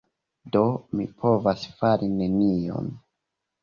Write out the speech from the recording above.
Do mi povas fari nenion!